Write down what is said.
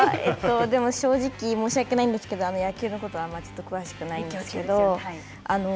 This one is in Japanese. でも、正直申し訳ないんですけど野球のことはちょっと詳しくないんですけど。